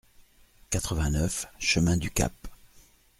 quatre-vingt-neuf chemin du Cap